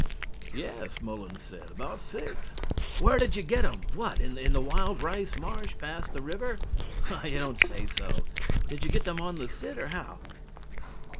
"Yes," Mullins said, "about six." "Where did you get them? What? In the wild rice marsh past the river? You don't say so! Did you get them on the sit or how?"